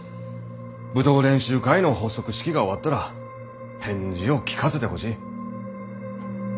舞踏練習会の発足式が終わったら返事を聞かせてほしい。